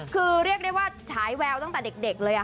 คือเรียกได้ว่าฉายแววตั้งแต่เด็กเลย